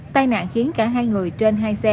tài nạn khiến cả hai người trên hai xe